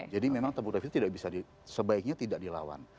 jadi memang topografi itu tidak bisa di sebaiknya tidak dilawan